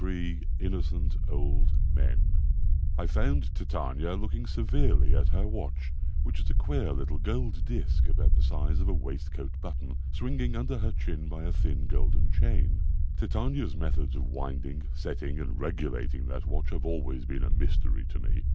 163 INNOCENT OLD MEN I found Titania looking severely at her watch, which is a queer little gold disk about the size of a waistcoat button, swinging under her chin by a thin golden chain. Titania's methods of winding, setting and regulating that watch have always been a mystery to me.